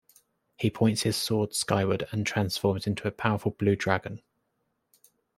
He points his sword skyward and transforms into a powerful blue dragon.